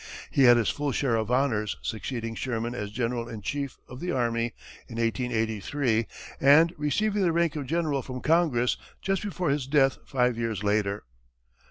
He had his full share of honors, succeeding Sherman as general in chief of the army in 1883, and receiving the rank of general from Congress, just before his death five years later.